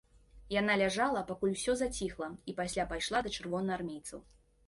Яна ляжала, пакуль усё заціхла, і пасля пайшла да чырвонаармейцаў.